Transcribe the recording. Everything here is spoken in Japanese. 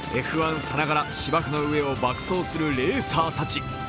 さながら芝生の上を爆走するレーサーたち。